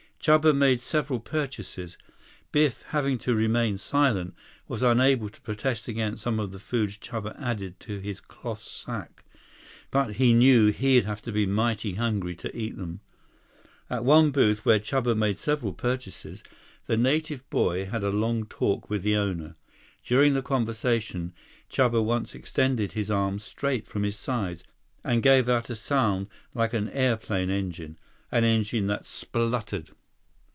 Chuba made several purchases. Biff, having to remain silent, was unable to protest against some of the foods Chuba added to his cloth sack. But he knew he'd have to be mighty hungry to eat them. 109 At one booth, where Chuba made several purchases, the native boy had a long talk with the owner. During the conversation, Chuba once extended his arms straight from his sides, and gave out with a sound like an airplane engine, an engine that sputtered.